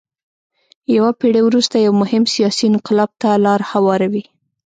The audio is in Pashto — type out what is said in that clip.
یوه پېړۍ وروسته یو مهم سیاسي انقلاب ته لار هواروي.